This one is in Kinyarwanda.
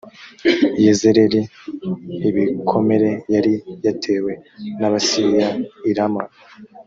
yezereli ibikomere yari yatewe n’abasiriya i rama